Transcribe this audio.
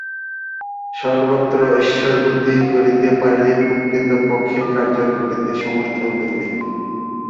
সর্বত্র ঈশ্বরবুদ্ধি করিতে পারিলেই প্রকৃতপক্ষে কার্য করিতে সমর্থ হইবে।